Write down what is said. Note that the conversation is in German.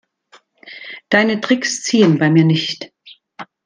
Deine Tricks ziehen bei mir nicht.